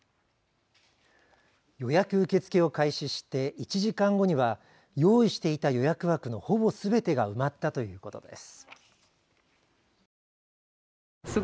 予約受け付けを開始して１時間後には用意していた予約枠のほぼすべてが埋まったということです。